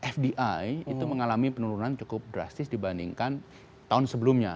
fdi itu mengalami penurunan cukup drastis dibandingkan tahun sebelumnya